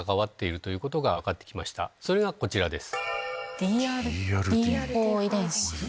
それがこちらです。